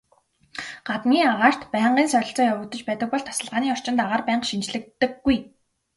Гаднын агаарт байнгын солилцоо явагдаж байдаг бол тасалгааны орчинд агаар байнга шинэчлэгддэггүй.